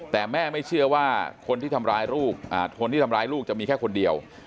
แต่แม่ไม่เชื่อว่าคนที่ทำร้ายลูกจะมีแค่คนเดียว